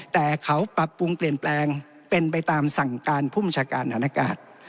แต่เขาปรับปรุงเปลี่ยนแปลงเป็นไปตามสั่งการผู้บัญชาการฐานอากาศ